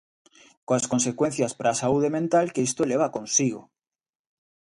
Coas consecuencias para a saúde mental que isto leva consigo.